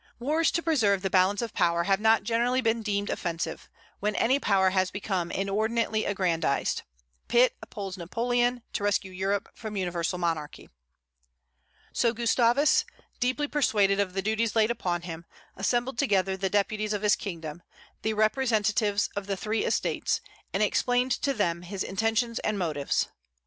Wars to preserve the "balance of power" have not generally been deemed offensive, when any power has become inordinately aggrandized. Pitt opposed Napoleon, to rescue Europe from universal monarchy. So Gustavus, deeply persuaded of the duties laid upon him, assembled together the deputies of his kingdom, the representatives of the three estates, and explained to them his intentions and motives.